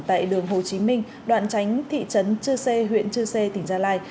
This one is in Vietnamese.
tại đường hồ chí minh đoạn tránh thị trấn chư sê huyện chư sê tỉnh gia lai